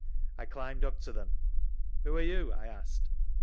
I climbed up to them. "Who are you?" I asked.